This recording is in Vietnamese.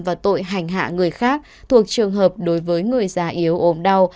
và tội hành hạ người khác thuộc trường hợp đối với người già yếu ốm đau